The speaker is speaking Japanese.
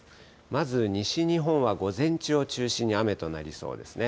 まず西日本は午前中を中心に雨となりそうですね。